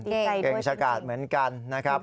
เก่งเก่งชะกาดเหมือนกันนะครับ